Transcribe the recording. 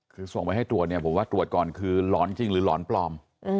คือส่งไปให้ตรวจเนี่ยผมว่าตรวจก่อนคือหลอนจริงหรือหลอนปลอม